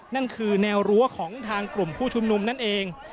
นั่นคือแนวรั้วของทางกลุ่มผู้ชุมนุมนั่นเอง